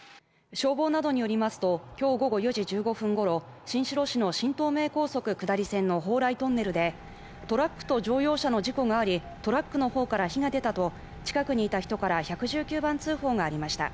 消防などによりますと、今日午後４時１５分ごろ、新城市の新東名高速下り線の鳳来トンネルでトラックと乗用車の事故があり、トラックの方から火が出たと近くにいた人から１１９番通報がありました。